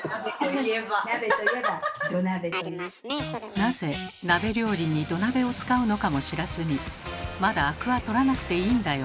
なぜ鍋料理に土鍋を使うのかも知らずに「まだあくは取らなくていいんだよ」